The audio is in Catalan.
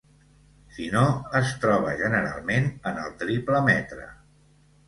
Si no, es troba generalment en el triple metre.